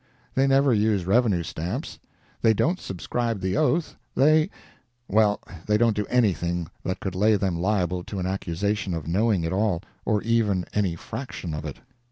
They never use revenue stamps—they don't subscribe the oath, they—well, they don't do anything that could lay them liable to an accusation of knowing it all, or even any fraction of it.